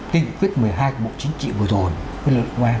tình quyết một mươi hai của bộ chính trị vừa rồi